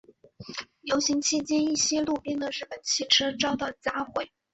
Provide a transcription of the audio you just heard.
游行期间一些路边的日本汽车遭到砸毁。